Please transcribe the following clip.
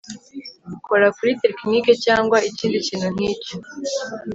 kora kuri tekinike cyangwa ikindi kintu nkicyo